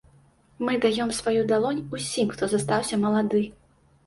Мы даём сваю далонь, усім хто застаўся малады!